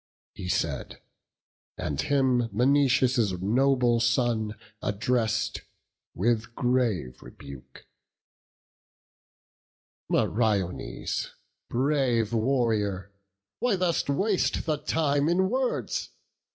He said; and him Menoetius' noble son Address'd with grave rebuke: "Meriones, Brave warrior, why thus waste the time in words?